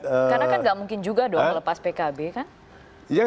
karena kan tidak mungkin juga melepas pkb kan